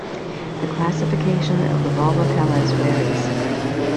The classification of the Volvocales varies.